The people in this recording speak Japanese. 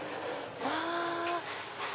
うわ。